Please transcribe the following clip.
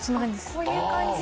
こういう感じ？